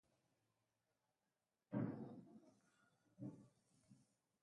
In questo periodo scriverà opere a contenuto erudito, soprattutto di storia e religione.